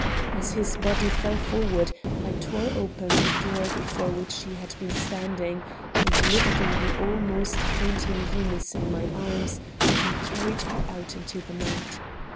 As his body fell forward, I tore open the door before which he had been standing, and, lifting the almost fainting Eunice in my arms, I carried her out into the night.